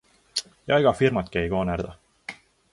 Ja ega firmadki ei koonerda.